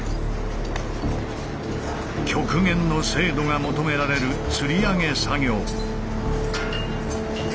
極限の精度が求められるつり上げ作業。